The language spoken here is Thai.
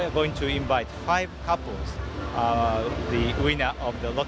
เราขอขอบคุณให้พวกที่ไปดู